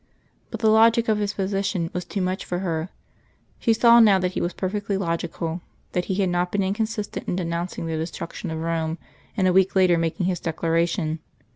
But the logic of his position was too much for her. She saw now that He was perfectly logical that He had not been inconsistent in denouncing the destruction of Rome and a week later making His declaration.